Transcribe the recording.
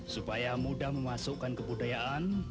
supaya mudah memasukkan kebudayaan